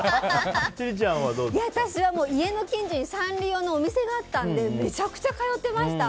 私は、家の近所にサンリオのお店があったのでめちゃくちゃ通ってました。